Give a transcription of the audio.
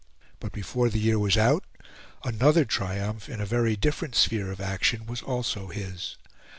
But before the year was out another triumph, in a very different sphere of action, was also his.